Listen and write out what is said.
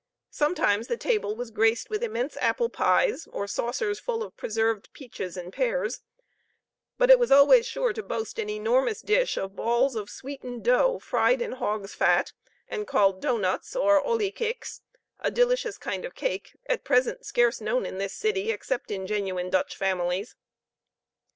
Sometimes the table was graced with immense apple pies, or saucers full of preserved peaches and pears; but it was always sure to boast an enormous dish of balls of sweetened dough, fried in hog's fat, and called doughnuts, or olykoeks a delicious kind of cake, at present scarce known in this city, except in genuine Dutch families.